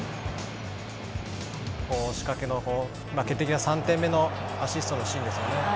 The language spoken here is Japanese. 仕掛けの、決定的な３点目のアシストのシーンですよね。